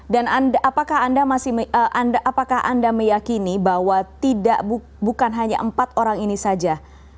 dan apakah anda meyakini bahwa bukan hanya empat orang ini saja